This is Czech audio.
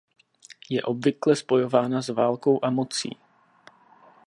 Je obvykle spojována s válkou a mocí.